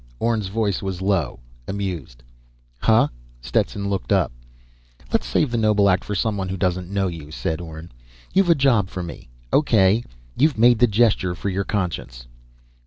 Orne's voice was low, amused. "Huh?" Stetson looked up. "Let's save the noble act for someone who doesn't know you," said Orne. "You've a job for me. O.K. You've made the gesture for your conscience."